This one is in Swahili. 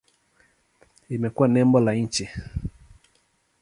Imekuwa nembo la nchi.